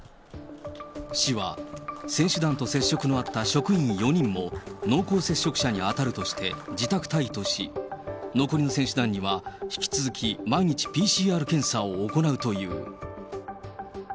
市は、選手団と接触のあった職員４人も濃厚接触者に当たるとし、自宅待機とし、残りの選手団には引き続き、毎日ＰＣＲ検査を行うという。